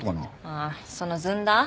ああそのずんだ？